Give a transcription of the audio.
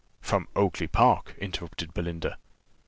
"From Oakly park," interrupted Belinda.